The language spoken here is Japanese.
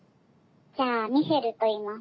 じゃあミシェルといいます。